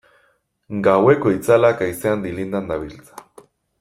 Gaueko itzalak haizean dilindan dabiltza.